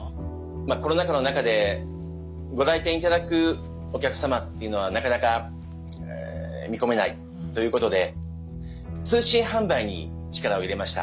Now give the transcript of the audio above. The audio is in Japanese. まあコロナ禍の中でご来店頂くお客様っていうのはなかなか見込めないということで通信販売に力を入れました。